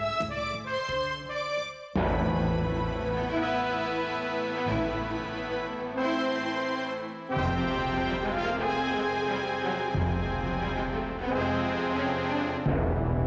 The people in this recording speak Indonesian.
bantu aku ngelakuin nyawaku